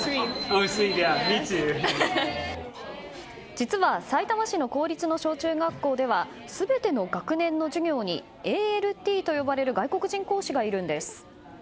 実は、さいたま市の公立の小中学校では全ての学年の授業にＡＬＴと呼ばれる外国人講師がいるんです。